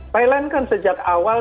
thailand kan sejak awal